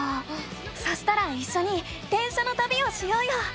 そしたらいっしょに電車のたびをしようよ！